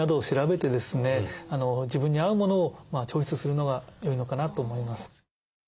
自分に合うものをチョイスするのが良いのかなと思います。